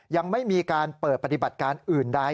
ยังไม่มีการเปิดปฏิบัติการอื่นใด